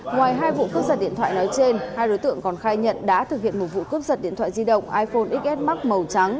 ngoài hai vụ cướp giật điện thoại nói trên hai đối tượng còn khai nhận đã thực hiện một vụ cướp giật điện thoại di động iphone xs max màu trắng